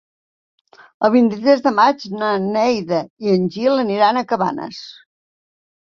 El vint-i-tres de maig na Neida i en Gil aniran a Cabanes.